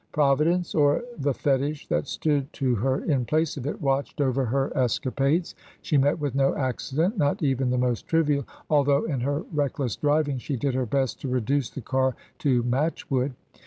Providence, or the fetish that stood to her in place of it, watched over her escapades. She met with no accident, not even the most trivial, although in her reckless driving she did her best to reduce the car to match wood.